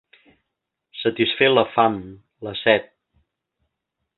Satisfer la fam, la set.